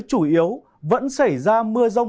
chủ yếu vẫn xảy ra mưa rông